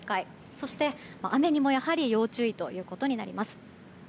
そして、雨にもやはり要注意となります。